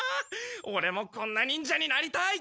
オレもこんな忍者になりたい！